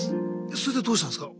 それでどうしたんですか？